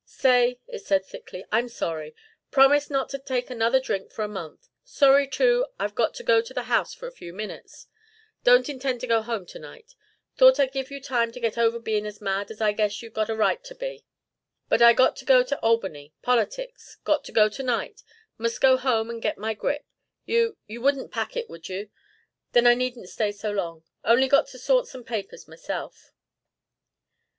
"Say," it said thickly, "I'm sorry. Promise not to take another drink for a month. Sorry, too, I've got to go to the house for a few minutes. Didn't intend to go home to night thought I'd give you time to get over bein' as mad as I guess you've got a right to be. But I got to go to Albany politics got to go to night must go home and get my grip. You you wouldn't pack it, would you? Then I needn't stay so long. Only got to sort some papers myself."